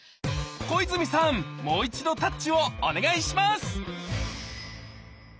小泉さんもう一度「タッチ」をお願いします